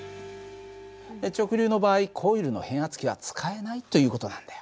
直流の場合コイルの変圧器は使えないという事なんだよ。